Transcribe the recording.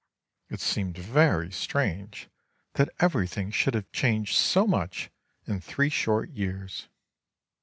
It seemed very strange that everything should have changed so much in three short years.